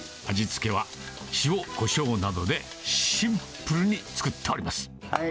味付けは塩、こしょうなどでシンプルに作っております。